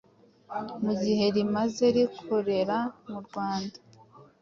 mu gihe rimaze rikorera mu Rwanda.